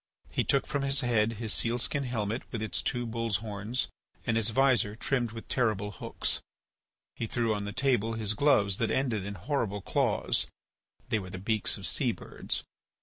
He took from his head his sealskin helmet with its two bull's horns and its visor trimmed with terrible hooks. He threw on the table his gloves that ended in horrible claws—they were the beaks of sea birds.